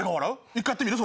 １回やってみる？